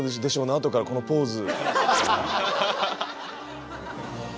あとからこのポーズ。